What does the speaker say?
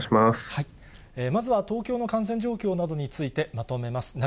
まずは東京の感染状況などについて、まとめます。